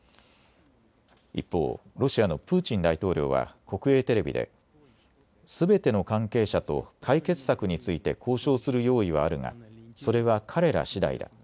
一方、ロシアのプーチン大統領は国営テレビですべての関係者と解決策について交渉する用意はあるがそれは彼らしだいだ。